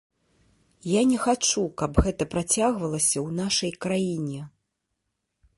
Я не хачу, каб гэта працягвалася ў нашай краіне.